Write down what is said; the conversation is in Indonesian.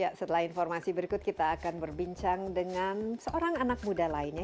ya setelah informasi berikut kita akan berbincang dengan seorang anak muda lainnya